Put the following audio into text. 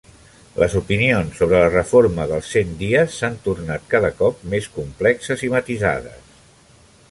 Les opinions sobre la Reforma dels Cent Dies s'han tornat cada cop més complexes i matisades.